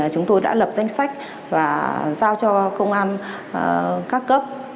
chúng tôi đã lập danh sách và giao cho công an các cấp